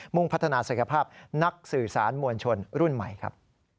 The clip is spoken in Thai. ่งพัฒนาศักยภาพนักสื่อสารมวลชนรุ่นใหม่ครับ